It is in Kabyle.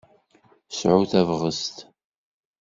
Sɛu tabɣest!